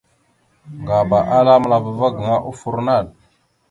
Ŋgaba ala məla ava gaŋa offor naɗ.